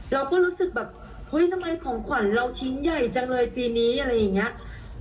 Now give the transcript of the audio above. เราก็รู้สึกแบบเฮ้ยทำไมของขวัญเราชิ้นใหญ่จังเลยปีนี้อะไรอย่างนี้